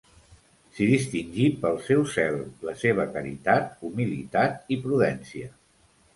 S'hi distingí pel seu zel, la seva caritat, humilitat i prudència.